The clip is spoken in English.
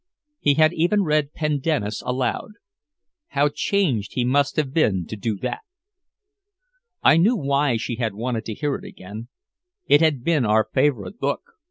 He had even read "Pendennis" aloud. How changed he must have been to do that. I knew why she had wanted to hear it again. It had been our favorite book.